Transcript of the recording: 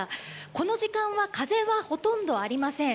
この時間は風はほとんどありません。